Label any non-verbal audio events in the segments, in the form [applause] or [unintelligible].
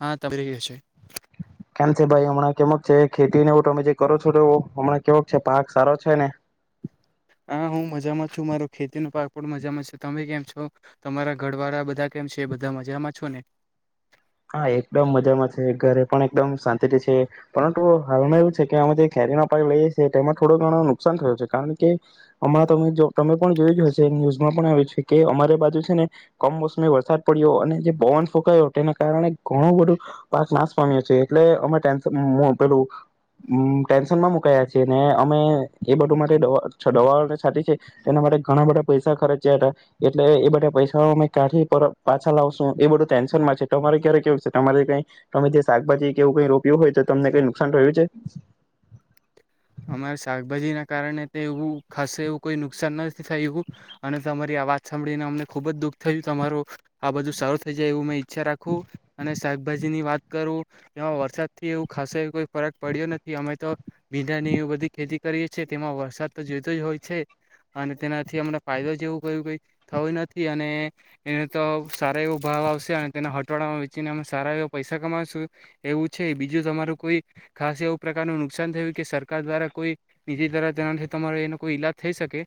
હા [unintelligible] રે હશે. કાન કે ભાઈ હમણાં કેમક છે ખેતીને એવું તમે જે કરો છો તો એવ હમણાં કેવક છે પાક, સારો છે ને? હા હું મજામાં છું મારો ખેતી ન પાક પણ મજામાં છે, તમે કેમ છો તમારા ઘર વાળા બધા કેમ છે એ બધા મજામાં છો ને? હા એકદમ મજામાં છે ઘરે પણ એકદમ શાંતિથી છે, પરંતુ હાલમાં એવું છે કે અમે જે ખેરીનો પાક લઈએ છીએ તેમાં થોડો ઘણો નુકસાન થયો છે, કારણકે અ તમે તમે પણ જોયું જ હશે ન્યુઝમાં પણ આવ્યું છે કે અમારે બાજુ છે ને કમોસમી વરસાદ પડ્યો અને જે પવન ફૂંકાયો તેને કારળે ઘણું બધું પાક નાશ પામ્યો છે, એટલે અમે ટેન્શન પેલું મુ ટેન્શનમાં મુકાયા છે, ને અમે એ બધું માટે દવા દવાઓને છાતી છે એના માટે ઘણા બધા પૈસા ખર્ચ્યા હતા, એટલે એ બધા પૈસા અમે કાથી પર પાછા લાવશું એ બધું ટેન્શનમાં છે. તમારે ક્યારે કેવું છે, તમારે કઈ તમે જે શાકભાજી કેવું કઈ રોપ્યું હોય તો તમને કઈ નુકસાન થયું છે? અમારે શાકભાજી ના કારણે એવું ખસે એવું કોઈ નુકસાન નથી થાયુ, અને તમારી આ વાત સાંભળીને અમને ખુબ જ દુઃખ થયું, તમારું આ બધું સારું થઈ જાય એવું મેં ઈ ચ્છા રાખૂ અને શાકભાજી ની વાત કરું એમાં વરસાદ થી એવું ખાસ કોઈ ફરક પડ્યો નથી અમે તો [unintelligible] ની એવી બધી ખેતી કરીએ છીએ તેમાં વરસાદ તો જોયતો જ હોય છે અને તેનાથી અમને ફાયદો જેવું ક કઈ થતો નથી અને એને તો સારા એવો ભાવ આવશે અને તેના હટવાડામાં વેચીને અમે સારા એવા પૈસા કમાશું એવું છે, બીજું તમારું કોઈ ખાસ એવું પ્રકારનું નુકસાન થયું કે સર કાર દ્વારા કોઈ નીજી ધરા જનાથી તમારે એનો કોઈ ઈલાજ થઈ શકે?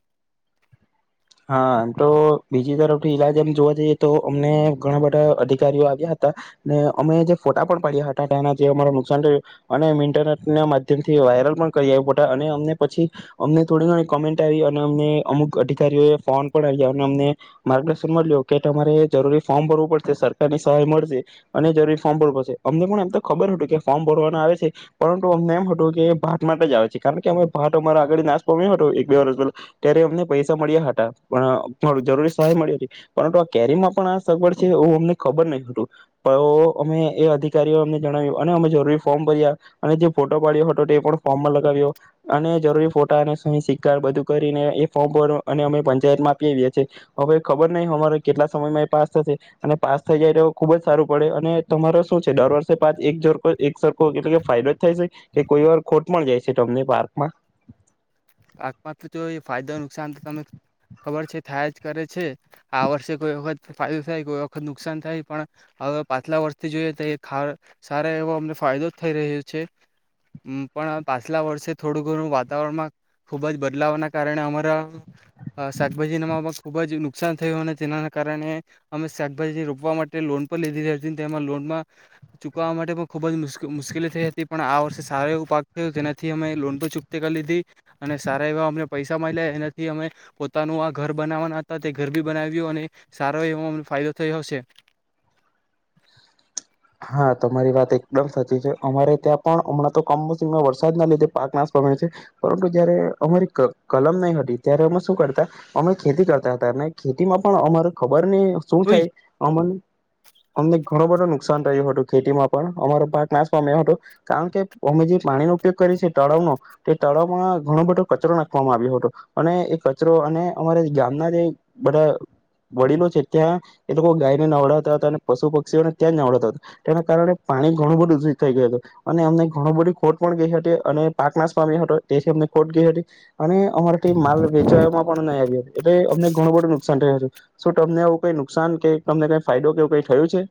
હા આમ તો બીજી તરફથી ઈલાજ એમ જોવા જઈએ તો અમને ઘણા બધા અધિકારીઓ આવ્યા હતા ને અમે જે ફોટા પણ પાડયા હતા તેના જે અમારું નુકસાન થયું અને ઇન્ટરનેટ ના માધ્યમથી વાયરલ પણ કરી આવ્યું, પ અને અમને પછી અમને થોડી ઘણી કોમેન્ટ આવી અને અમને અમુક અધિ કારીઓ એ ફોન પણ આઇયા અને અમને માર્ગદર્શન મળ્યું કે તમારે જરૂરી ફોર્મ ભરવું પડશે સરકારની સહાય મળશે અને જરૂરી ફોર્મ ભરવું પડશે, અમને પણ એમ તો ખબર હતું કે ફોર્મ ભરવાનું આવે છે, પરંતુ અમને એમ હતું કે ભાત માટે જ આવે છે કારણ કે અમે ભાત અમારે આગળી નાશ પામ્યો હતો એક બે વર્ષ પેલા, ત્યારે અમને પૈસા મળ્યા હતા પણ જરૂરી સહાય મળી હતી પરંતુ આ કેરીમાં પણ આ સગવડ છે એવું અમને ખબર નહી હતું, પણ અમે એ અધિકારીઓ અમને જણાવ્યું અને અમે જરૂરી ફોર્મ ભર્યા અને જે ફોટો પાડ્યો હતો તે પણ ફોર્મમાં લગાવ્યો અને જરૂરી ફોટા સહી, સિકા બધું કરીને એ ફોર્મ ભર અને અમે પંચાયતમાં આપી આવીયા છીએ, હવે ખબર નહી અમારે કેટલા સમયમાં એ પાસ થશે અને પાસ થઈ જાય તો ખુબ જ સારું પડે અને તમારો શું છે દર વર્ષે પા એક જોરકો એક સરખો એટલે કે ફાયદો જ થાય છે કે કોઈ વાર ખોટ પણ જાય છે તમને પાર્કમાં? આતમાં તો જો ફાયદો નુકસાન તો તને ખબર છે થાય જ કરે છે, આ વર્ષે કોઈ વખત ફાયદો થાય કોઈ વખત નુકસાન થાય પણ હવે પાછલા વર્ષથી જોઈએ તો એ ખાર સારો એવો અમને ફાયદો જ થઈ રહ્યો છે, અ પણ પાછલા વર્ષે થોડું ઘણું વાતાવરણમાં ખુબ જ બદલાવના કારણે અમારા શાકભાજીમાં ખુબ જ નુકસાન થયું અને તેના કારણે અમે શાકભાજી રોપવા માટે લોન પર લીધી રેતી તેમાં લોનમાં ચુકવવા માટે પણ ખુબ જ મુસ મુશ્કેલી થઈ હતી પણ આ વર્ષે સારો એવો પાક થયો તેનાથી અમે લોન પર ચુકતી કરી લીધી અને સારા એવા અમને પૈસા મલ્યા એનાથી અમે પોતાનું આ ઘર બનાવવાના હતા તે ઘર બી બનાવ્યું અને સારો એવો અમને ફાયદો થયો હશે. હા તમારી વાત એકદમ સાચી છે, અમારે ત્યાં પણ હમણાં તો કમોસમીમાં વરસાદ ના લીધે પાક નાશ પામ્યો છે, પરંતુ જયારે અમારી ક કલમ નહી હતી ત્યારે અમે શું કરતા અમે ખેતી કરતા હતા અને ખેતીમાં પણ અમારે ખબર અને શું હોય થાય અમન અમને ઘણો બધો નુકસાન થયું હતું ખેતીમાં પણ, અમારો પાક નાશ પામ્યો હતો કારણ કે અમે જે પાણીનો ઉપયોગ કરી છ છે તળાવનો, એ તળાવમાં ઘણો બધો કચરો નાખવામાં આવ્યો હતો અને એ કચરો અને અમારે ગામના જે બધા વડીલો છે ત્યાં એ લોકો ગાયને નવડાવતા હતા પશુ પક્ષીઓને ત્યાં જ નવડાતા તેના કારણે પાણી ઘણું બધું [unintelligible] થઈ ગયલૂ અને અમને ઘણું બધી ખોટ પણ ગઈ હતી અને પાક નાશ પામ્યા હતો તેથી અમને ખોટ ગઈ હતી અને અમારે કઈ માલ વેચાયો પણ નહી આવ્યો, એટલે અમને ઘણું બધું નુકસાન થ છે. શું તમને આવું કઈ નુકસાન કે તમને કઈ ફાયદો કે એવું કઈ થયું છે?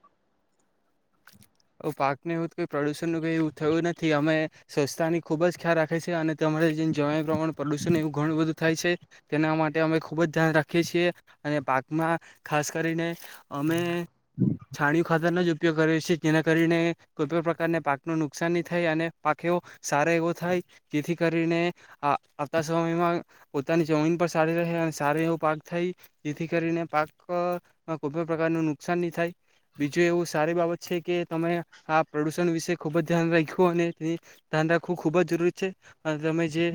પાકને એવું જ કઈ પ્રદુષણ ન કઈ એવું થયું નથી, અમે સ્વચ્છતા ખુબ જ ખ્યાલ રાખે છે અને તમારે જે જવા પ્રમાણે પ્રદુષણ એવું ઘણું બધું થાય છે, તેના માટે અમે ખૂબ જ ધ્યાન રાખીએ છીએ અને પાકમાં ખાસ કરીને અમે છાણીયુ ખાતરનનો જ ઉપયોગ કર્યો છે. જેના કરીને કોઈ પણ પ્રકારને પાકનું નુકસાન નહી થાય અને પાક એવો સારો એવો થાય જેથી કરીને આ આવતા સમયમાં પોતાની જમીન પણ સારી રહે અને સાર એવો પાક થાય, જેથી કરીને પાકમાં કોઈપણ પ્રકારનું નુકસાન ની થાય બીજું એવું સારી બાબત છે કે તમે આ પ્રદુષણ વિશે ખુબ જ ધ્યાન રાખ્યું અને તે ધ્યાન રાખવું ખુબ જ જરૂરી છે અને તમે જે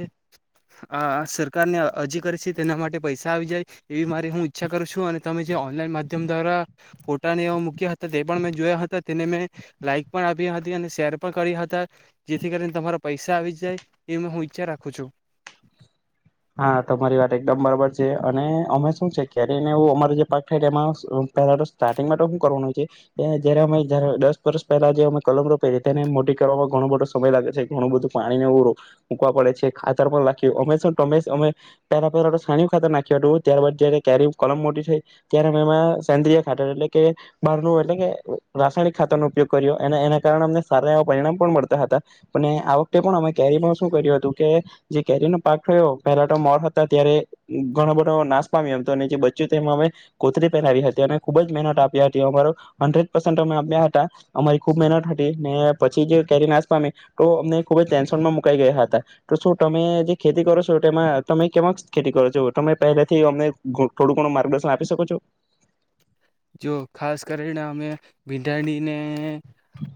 આ સરકારને અરજી કરી છે તેના માટે પૈસા આવી જાય એવી મારી હું ઈચ્છા કરું છું અને તમે જે ઓનલાઈન માધ્યમ દ્વારા ફોટાને મૂક્યા હતા તે પણ મેં જોયા હ તા તેને મે લાઈક પણ આપી હતી અને શેર પણ કર્યા હતા, જેથી કરીને તમારા પૈસા આવી જાય એ હું ઈચ્છા રાખું છું. હા તમારી વાત એકદમ બરાબર છે અને અમે શું છે કેરીને અમારો જે પાક થાય એમાં પેલા તો સ્ટાર્ટિંગમાં તો હું કરવાનું છે જયારે અમેારે દસ વર્ષ પહેલા જે અમે કલમ રોપેલી, તેને મોટી કરવામાં ઘણો બધો સમય લાગે છે, ઘણું બધું પાણીને એ મૂકવા પડે છે, ખાતર પણ લાખ્યું અમે શું તમે સમે તેના પર હવે સાણયુ ખાતર નાખ્યું હતું, ત્યારબાદ જ્યારે કેરી કલમ મોટી થઈ, ત્યારે એમ મેં સેન્ડીય ખાતર એટલે કે બહાર ન એટલે કે રાસાયણિક ખાતર નો ઉપયોગ કર્યો અને એના કારણે અમને સારા એવા પરિણામ પણ મળતા હતા અને આ વખતે પણ અમે કેરીમાં શું કર્યું હતું કે જે કેરીનો પાક થયો, પેલા તો મોર હતા ત્યારે ઘણો બધો નાશ પામ્યો એમ તો જે બચ્યું એ અમે કોતરી પહેરાવી હતી અને ખુબ જ મહેનત આપ્યા હતી, અમારો હંડ્રેડ પરસંટ અમે આપ્યા હતા, અમારી ખુબ મહેનત હતી અને પછી જે કેરી નાશ પામે તો અમને ખુબ જ ટેન્શનમાં મુકાઈ ગયા હતા તો શું તમે ખેતી કરો છો તો એમાં તમે કેમાં ખેતી કરો છો તમે પહેલાથી અમને થોડું ઘણું માર્ગદર્શન આપી શકો છો? જો ખાસ કરીને અમે ભીંડાડીને,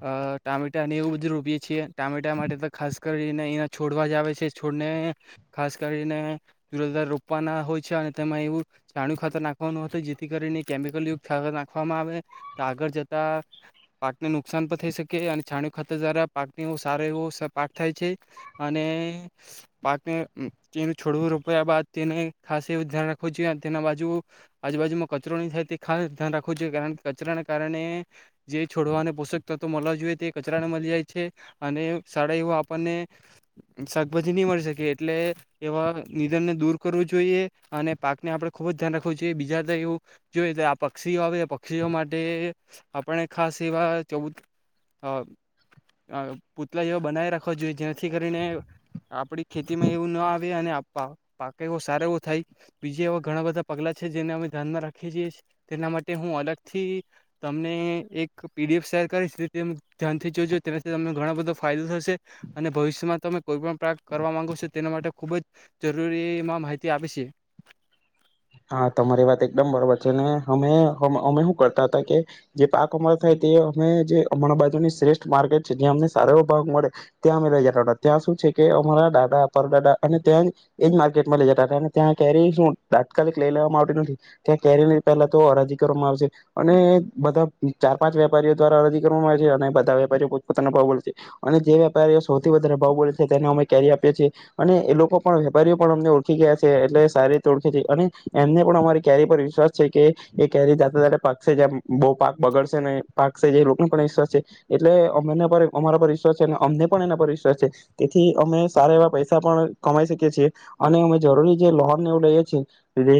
અ ટામેટાને એવું બધું રોપીએ છીએ ટામેટા માટે તો ખાસ કરીને એને છોડવા જ આવે છે છોડને ખાસ કરીને [unintelligible] રોપવાના હોય છે અને તેમાં એવું ચાણયુ ખાતર નાખવાનું હોતુ જેથી કરીને કેમિકલ યુત [unintelligible] નાખવામાં આવે તો આગળ જતા પાકને નુકસાન પણ થઈ શકે અને છાણી ખાતર દ્વારા પાકને એ સારો એવો પાક થાય છે અને પાકને તેનું છોડવું રોપ્યા બાદ તેને ખાસ એવ ધ્યાન રાખવું જોઈએ તેના બાજુ આજુબાજુમાં કચરો નહી થાય તે ખાસ ધ્યાન રાખવું જોઈએ કારણ કે કચરાના કારણે જે છોડવા અને પોષક તત્વો મળવા જોઈએ તે કચરાને મળી જાય છે અને શળા એવું આપણને શાકભાજી નહી મળી શકે એટલે એવા નિધનને દૂર કરવું જોઈએ અને પાકને આપણે ખુબ જ ધ્યાન રાખવું જોઈએ બીજા [unintelligible] એવું જોઈએ પક્ષીઓ આવે પક્ષીઓ માટે આપણે ખાસ એવા ચ અ અ પૂતલા જેવા બનાવી રાખવા જોઈએ જેથી કરીને આપડી ખેતીમાં એવું ના આવે અને પાક એવ સારો એવો થાય, બીજા એવા ઘણા બધા પગલા છે જેને અમે ધ્યાનમાં રાખીએ છીએ. તેના માટે હું અલગ થી તમને એક પીડીએફ શેર કરીશ તેમ. ધ્યાનથી જોજો તના તમે ઘણા બધા. ફાયદો થશે અને ભવિષ્યમાં તમે કોઈ પણ પ્રગ કરવા માંગો છો તેના માટે ખૂબ જ જરૂરીમાં માહિતી આપે છે. હા તમારી વાત એકદમ બરોબર છે અમે અમે શું કરતા હતા કે જે પાક અમારા થાય તે અમે જે અમણાં બાજુની શ્રેષ્ઠ માર્કેટ છે જ્યાં અમને સારા એવો ભાગ મળે ત્યાં અમે લઈ જતા હતા ત્યાં શું છે કે અમારા દાદા પરદાદા અને ત્યાં એ જ માર્કેટમાં લઇ જતા હતા અને ત્યાં કેરી શું. તાત્કાલિક લઈ લેવામાં આવતી નથી ત્યાં કેરી ન પહેલા તો અરાજી કરવામાં આવશે અને બધા ચાર પાંચ વેપારીઓ દ્વારા અરજી કરવામાં આવે છે અને બધા વેપારીઓ પોતપોતાના ભાવ બે છે અને જે વેપારીઓ સૌથી વધારે ભાવ બોે છે તેને અમે કેરી આપીએ છીએ અને એ લોકો પણ વેપારીઓ પણ અમને ઓળખી ગયા છે એટલે સારી રીતે ઓળખે છે. અને એમને પણ અમારી કેરી પર વિશ્વાસ છે કે એ કેરી દાતાા પાક છે જે બહુ પાક બગડશે ને પાક છે જે લોકોને પણ વિશ્વાસ છે એટલે અમ પર અમારા પર વિશ્વાસ છે અને અમને પણ એના પર વિશ્વાસ છે તેથી અમે સારા એવા પૈસા પણ કમાઈ શકીએ છીએ અને અમે જરૂરી જે લોન એવું લઈએ છીએ.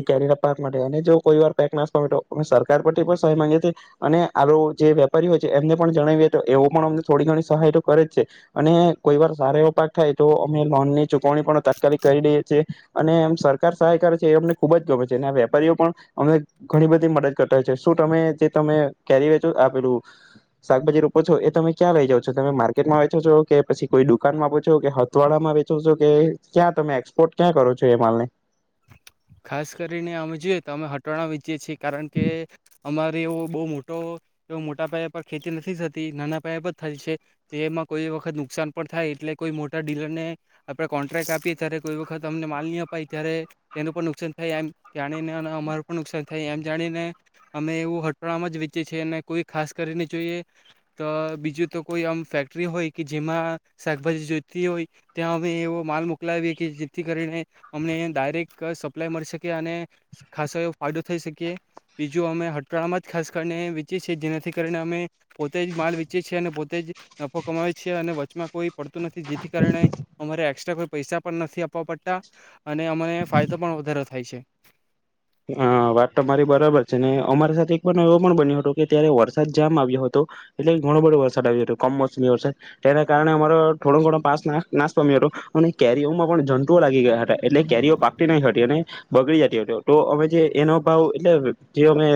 કેલા પાક માટે અને જો કોઈ વાર પાક નાશ પામે તો અમે સરકાર પરથી પણ સહાય માંગીએ છીએ અને આ જે વેપારી હોય છે એમને પણ જણાવીએ તો એવો પણ અમને થોડી ઘણી સહાય તો કરે જ છે અને કોઈ વાર સારા એવો પાક થાય તો અમે લોન ની ચુકવણી પણ તાત્કાલિક કરી દઈએ છીએ અને એમ સરકાર સહાય કરે છે અમને. ખુબ જ ગમે છે અને આ વેપારીઓ પણ અમને ઘણી બધી મદદ કરતા હોય છે શું તમે જે તમે કેરી વેચો આપેલું શાકભાજી રોપો છો એ તમે ક્યાં લઇ જાાવ છો તમે માર્કેટમાં વેચો છો કે પછી કોઈ દુકાનમાં આપો છો કે હથવાડામાં વેચો છો કે ક્યાં તમે એક્સપોર્ટ ક્યાં કરો છો એ માલ ને. ખાસ કરીને અમે જોઈએ તો અમે હટાણા વીચીે છીએ. કારણ કે અમાર. એવો બહુ મોટો મોટા પયાે પર ખેતી નથી થતી નાના પયા પર થાય છે એમાં કોઈ વખત નુકસાન પણ થાય એટલે કોઈ મોટા ડીલર ને આપે કોન્ટ્રાક્ટ આપીએ ત્યારે કોઈ વખત અમને માલ નહી અપાય ત્યારે. તેકાન થાય એમ જાણીને અમાર પણ નુકસાન થાય એમ જાણીને અમે એવું હટફાળમાં જ વેચે છીએ અને કોઈ ખાસ કરીને જોઈએ તો બીજું તો કોઈ આમ ફેક્ટરી હોય કે જેમાં શાકભાજી જોતી હોય ત્યાં અમે એવો માલ મોકલાવીએ કે જેથી કરીને અમને ડાયરેક્ટ. સપ્લાય મળી શકીએ અને ખાસો એ ફાયદો થઈ શકીએ બીજું અમે હટાળામાં જ ખાસ કરીને વેચીએ છીએ જેનાથી કારણે અમે પોતે જ માલ વેચીએ છીએ અને પોતે જ નફો કમાવીએ છીએ અને વચમાં કોઈ પડતું નથી જેથી કારણે અમારે એક્સ્ટ્રા કોઈ પૈસા પણ નથી આપવા પડતા અને અમે. ફાયદો પણ વધારેો થાય છે. હા વાત તો મારી બરાબર છે ને અમારી સાથે એક એવો પણ બન્યો હતો કે ત્યારે વરસાદ જામ આવ્યો હતો એટલે ઘણો બધો વરસાદ આવ્યો હતો કમોસમી વરસાદ તેના કારણે અમારો થોડો ઘણો પાસ નાશ પામ્યો હતો અને કેરીઓમાં પણ જટુઓ લાગી ગયા હતા. એટલે કેરીઓ પાકટી નઈંટી ને. બગડી જતી હો. તો અમે જે એનો ભાવ એટલે જે અમે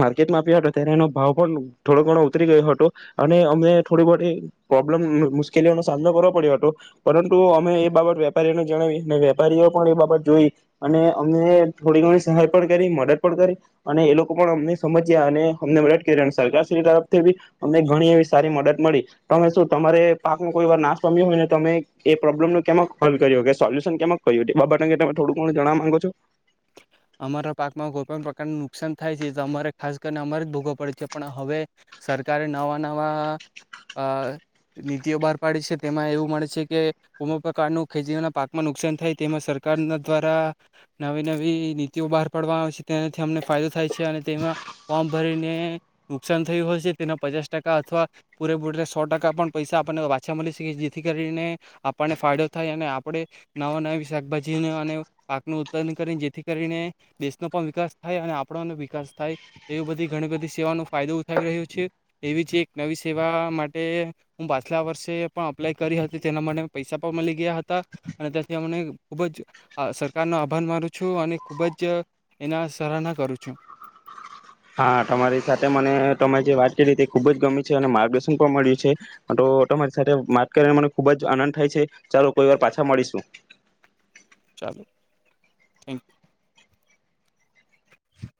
માર્કેટમાં આપ્યા હતો ત્યારે એનો ભાવ પણ થોડો ઘણો ઉતરી ગયો હતો અને અમે થોડી બ પ્રોબ્લમ મુશ્કેલીઓનો સામનો કરવો પડ્યો હતો પરંતુ અમે એ બાબત વેપારીઓને જણાવી અને વેપારીઓ પણ એ બાબત જોઈ અને. અમને થોડી ઘણી સહાય પણ કરી મદદ પણ કરી અને એ લોકો પણ અમને સમજ્યા અને અમને મદદ કરી અને સરકારશ્રી તરફથી બી અમને ઘણી એવી સારી મદદ મળી તમે શું તમારે પાક નનો કોઈ વાર નાશ પામ્યો હોય ને તમે એ પ્રોબ્લમનું કેમ હલ્વ કર્યો કે સોલ્યુશન કેમ ક્યું બાબ અંગે તમે થોડુંક ઘણું જણવા માંગો છો. અમારા પાકમાં કોઈ પણ પ્રકારનું નુકસાન થાય છે તો અમારે ખાસ કરીને અમારે જ ભોગો પડે છે પણ હવે સરકારે નવા નવા નીતિઓ બહાર પાડી છે તેમાં એવું મળે છે કે કોમ પ્રકારનું ખેતીના પાકમાં નુકસાન થાય તેમાં સરકારના દ્વારા નવી નવી. એવી નીતિઓ બહાર પાડવા આવે છે તેનાથી અમને ફાયદો થાય છે. છે અને તેમાં વમ. ભરીને નુકસાન થયું હોય છે તેના પચાસ ટકા અથવા પૂરેપૂર સો ટકા પણ પૈસા આપણને પાછા મળી શકે જેથી કરીને આપણને ફાયદો થાય અને આપણે નવા નવી શાકભાજી અને પાકનું ઉત્પાદન કરીને જેથી કરીને દેશનો પણ વિકાસ થાય અને આપણાનો વિકાસ થાય એવી બધી ઘણી બધી સેવાઓનો ફાયદો ઉઠાવી રહ્યો છે એવી જ એક નવી સેવા માટે હું પાછલા વર્ષે પણ અપ્લાય કરી હતી તેના માટે પૈસા પણ મળી ગયા હતા અને ત્યાંથી અમને ખૂબ જ સરકારનો આભાર માનું છું. છું અને ખૂબ જ એના સરાહના કરું છું. હા તમારી સાથે મને ત જે વાત કરી તે ખુબ જ ગમી છે અને માર્ગદર્શન પણ મળ્યું છે તો તમારી સાથે વાત કરીને મને ખુબ જ આનંદ થાય છે ચાલો કોઈ વાર પાછા મળીશું. ચાલો થેન્ક યુ.